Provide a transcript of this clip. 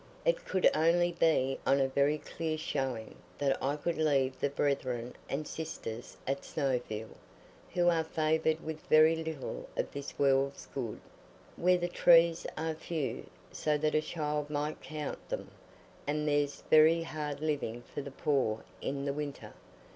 It could only be on a very clear showing that I could leave the brethren and sisters at Snowfield, who are favoured with very little of this world's good; where the trees are few, so that a child might count them, and there's very hard living for the poor in the winter.